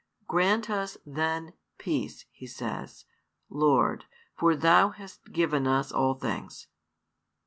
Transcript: Grant us then peace, he says, Lord; for Thou hast given us all things.